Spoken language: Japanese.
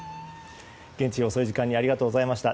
現地の遅い時間にありがとうございました。